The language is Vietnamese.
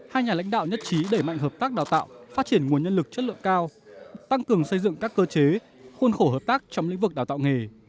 hai nhà lãnh đạo nhất trí đẩy mạnh hợp tác đào tạo phát triển nguồn nhân lực chất lượng cao tăng cường xây dựng các cơ chế khuôn khổ hợp tác trong lĩnh vực đào tạo nghề